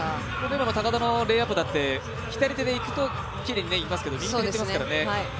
高田のレイアップだって左手でいくときれいにいきますが右手でいってますからね。